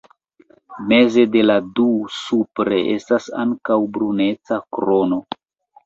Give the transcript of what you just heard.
Meze de la du, supre, estas ankaŭ bruneca krono.